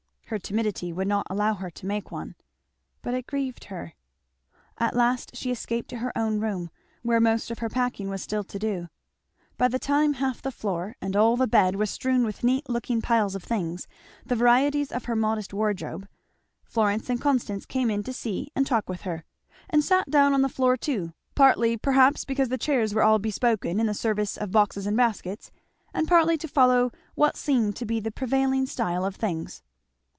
Her timidity would not allow her to make one. But it grieved her. At last she escaped to her own room, where most of her packing was still to do. By the time half the floor and all the bed was strewn with neat looking piles of things, the varieties of her modest wardrobe, Florence and Constance came in to see and talk with her, and sat down on the floor too; partly perhaps because the chairs were all bespoken in the service of boxes and baskets, and partly to follow what seemed to be the prevailing style of things.